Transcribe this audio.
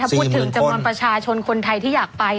ถ้าเราพูดถึงจังหวังประชาชนคนไทยที่อยากไป